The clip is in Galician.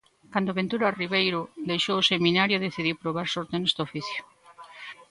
Cando Ventura Ribeiro deixou o seminario, decidiu probar sorte neste oficio.